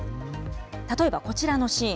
例えばこちらのシーン。